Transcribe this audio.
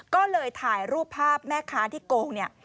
ก็เลยถ่ายรูปภาพแม่ค้าที่โกงเนี่ย